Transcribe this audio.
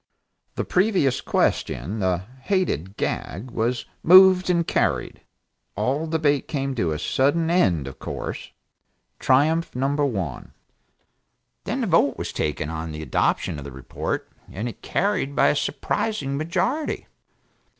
The "previous question," that hated gag, was moved and carried. All debate came to a sudden end, of course. Triumph No. 1. Then the vote was taken on the adoption of the report and it carried by a surprising majority.